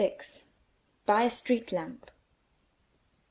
By a Street Lamp.